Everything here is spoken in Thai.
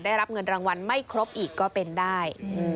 ได้รับเงินรางวัลไม่ครบอีกก็เป็นได้